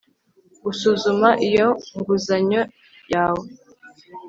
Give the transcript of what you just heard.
gusuzuma iyo nguzanyo yawe